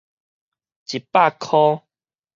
一百箍